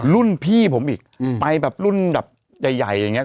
รุ่นพี่ผมอีกไปแบบรุ่นแบบใหญ่อย่างนี้